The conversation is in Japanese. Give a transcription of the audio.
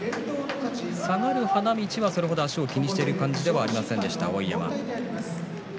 下がる花道は、それ程足を気にしている感じではありませんでした、碧山。